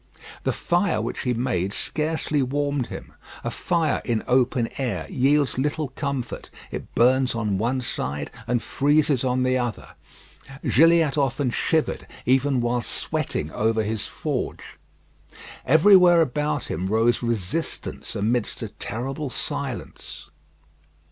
The fire which he made scarcely warmed him. A fire in open air yields little comfort. It burns on one side, and freezes on the other. Gilliatt often shivered even while sweating over his forge. Everywhere about him rose resistance amidst a terrible silence.